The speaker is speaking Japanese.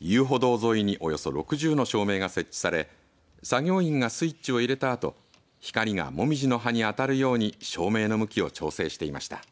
遊歩道沿いにおよそ６０の照明が設置され作業員がスイッチを入れたあと光が紅葉の葉に当たるように照明の向きを調整していました。